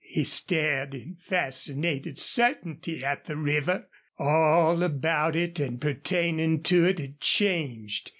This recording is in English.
He stared in fascinated certainty at the river. All about it and pertaining to it had changed.